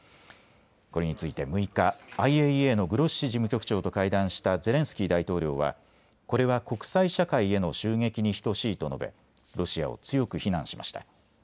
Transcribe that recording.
これについて６日、ＩＡＥＡのグロッシ事務局長と会談したゼレンスキー大統領はこれは国際社会への襲撃に等しいと述べロシアを強く非難しました。